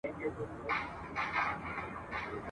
پر اصفهان دي د تورو شرنګ وو !.